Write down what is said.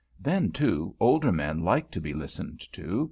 Then, too, older men like to be listened to.